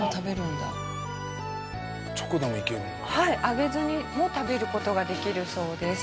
揚げずにも食べる事ができるそうです。